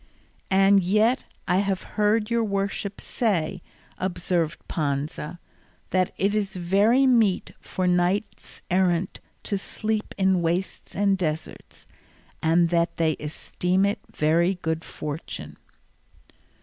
"And yet I have heard your worship say," observed Panza, "that it is very meet for knights errant to sleep in wastes and deserts, and that they esteem it very good fortune."